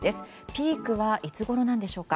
ピークはいつごろなんでしょうか。